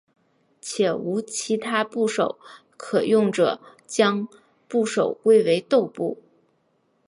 且无其他部首可用者将部首归为豆部。